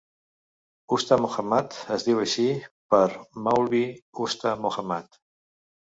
Usta Mohammad es diu així per Maulvi Usta Mohammad.